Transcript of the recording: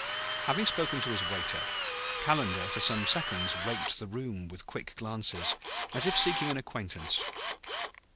Having spoken to his waiter, Calendar for some seconds raked the room with quick glances, as if seeking an acquaintance.